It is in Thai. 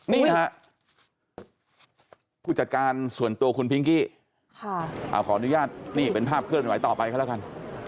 นี่ฮะผู้จัดการส่วนตัวคุณพิงกี้ขออนุญาตนี่เป็นภาพเคลื่อนไหวต่อไปก็แล้วกัน